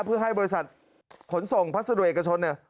เพื่อให้บริษัทขนส่งพัสดุเอกชนเนี่ย